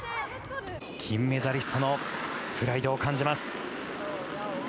金メダリストのプライドを感じます。